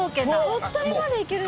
鳥取まで行けるんだ。